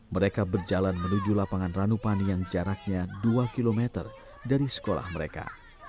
mereka berjalan menuju lapangan ranupani yang jaraknya dua km dari sekolah mereka